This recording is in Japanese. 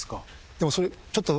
でもそれちょっと。